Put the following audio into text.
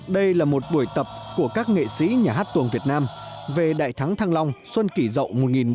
đây là một buổi tập của các nghệ sĩ nhà hát tuồng việt nam về đại thắng thăng long xuân kỷ rậu một nghìn bảy trăm tám mươi chín